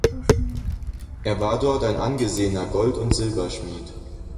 Er war dort ein angesehener Gold- und Silberschmied.